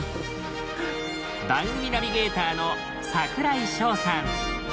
番組ナビゲーターの櫻井翔さん。